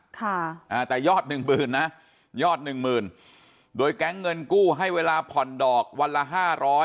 แต่ยอด๑๐๐๐๐นะยอด๑๐๐๐๐โดยแก๊งเงินกู้ให้เวลาผ่อนดอกวันละ๕๐๐